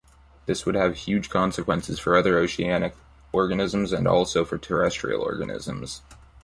This would have huge consequences for other oceanic organisms and also for terrestrial organisms.